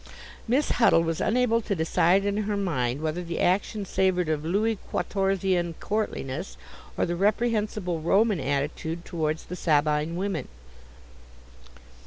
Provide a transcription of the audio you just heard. Miss Huddle was unable to decide in her mind whether the action savoured of Louis Quatorzian courtliness or the reprehensible Roman attitude towards the Sabine women.